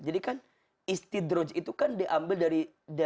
jadi kan istidroj itu kan diambil dari